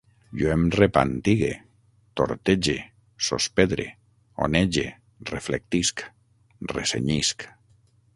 Jo em repantigue, tortege, sospedre, onege, reflectisc, recenyisc